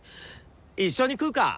一緒に食うか？